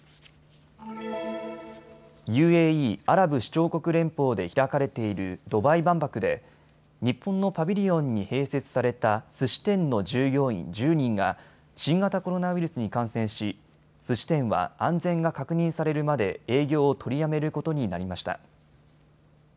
ＵＡＥ・アラブ首長国連邦で開かれているドバイ万博で日本のパビリオンに併設されたすし店の従業員１０人が新型コロナウイルスに感染しすし店は安全が確認されるまで営業を取りやめることになりました。